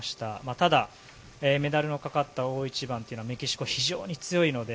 ただ、メダルのかかった大一番というのはメキシコ、非常に強いので。